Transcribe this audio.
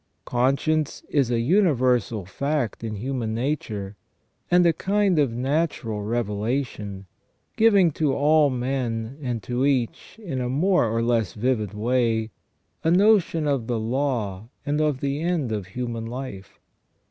Conscience is a universal fact in human nature, and a kind of natural revelation, giving to all men and to each, in a more or less vivid way, a notion of the law and of the end of human life.